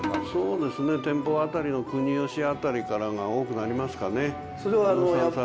そうですね天保辺りの国芳辺りからが多くなりますかね。